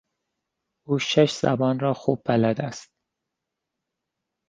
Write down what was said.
او شش زبان را خوب بلد است.